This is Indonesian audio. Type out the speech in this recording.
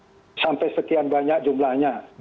sasarannya juga sampai sekian banyak jumlahnya